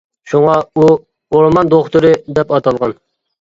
شۇڭا ئۇ «ئورمان دوختۇرى» دەپ ئاتالغان.